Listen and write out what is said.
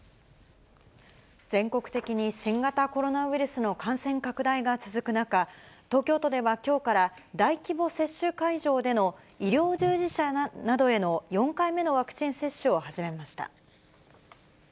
全国的に新型コロナウイルスの感染拡大が続く中、東京都ではきょうから大規模接種会場での医療従事者などへの４回目のワクチン接種を始めました。